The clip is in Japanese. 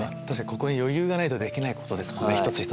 確かに心に余裕がないとできないことですもんね。